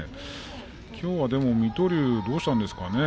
きょうはでも、水戸龍はどうしたんでしょうかね。